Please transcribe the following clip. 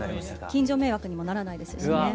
近所迷惑にもならないですしね。